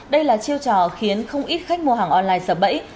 đây là chiêu trò khiến không ít khách mua hàng online sợ bẫy